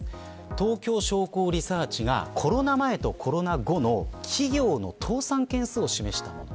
東京商工リサーチがコロナ前とコロナ後の企業の倒産件数を示したもの。